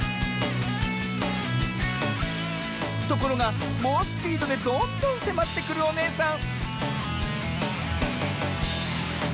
ところがもうスピードでどんどんせまってくるおねえさん